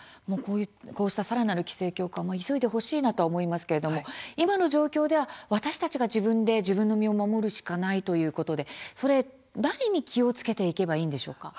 こうしたさらなる規制強化急いでほしいと思いますが今の状況では私たちが自分で自分の身を守るしかないということで何に気をつけていけばいいでしょうか。